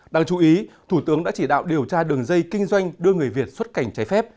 đáng chú ý thủ tướng đã chỉ đạo điều tra đường dây kinh doanh đưa người việt xuất cảnh trái phép